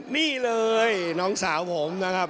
นี่เลยน้องสาวผมนะครับ